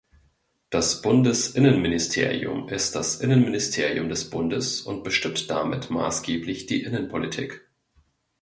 Das Bundesinnenministerium ist das Innenministerium des Bundes und bestimmt damit maßgeblich die Innenpolitik.